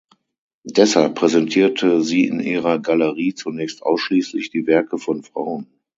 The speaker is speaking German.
Deshalb präsentierte sie in ihrer Galerie zunächst ausschließlich die Werke von Frauen.